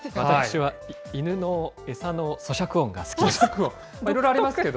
私は犬の餌のそしゃく音が好きです。